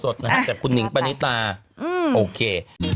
พอสดนะครับจากคุณหนิงปานิตาโอเค